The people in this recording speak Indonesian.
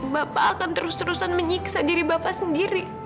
bapak akan terus terusan menyiksa diri bapak sendiri